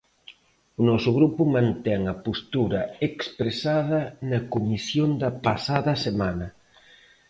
O noso grupo mantén a postura expresada na comisión da pasada semana.